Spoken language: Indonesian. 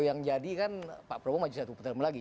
yang jadi kan pak prabowo maju satu pertemu lagi